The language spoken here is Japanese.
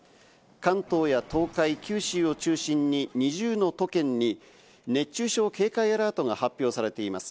関東や東海、九州を中心に２０の都県に熱中症警戒アラートが発表されています。